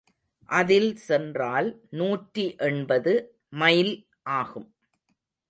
அதில் சென்றால் நூற்றி எண்பது மைல் ஆகும்.